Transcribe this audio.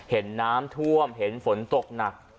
เห็นน้ำท่วมเห็นฝนตกหนัก